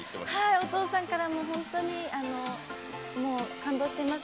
お父さんから本当に感動してます。